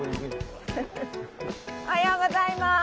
おはようございます！